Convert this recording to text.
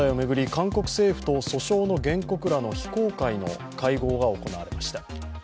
韓国政府と訴訟の原告らの非公開の会合が行われました。